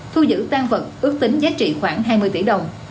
thu giữ tan vật ước tính giá trị khoảng hai mươi tỷ đồng